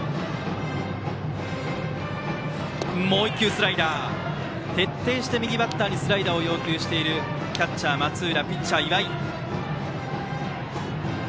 もう１球スライダー。徹底して右バッターにスライダーを要求しているキャッチャー、松浦ピッチャー、岩井。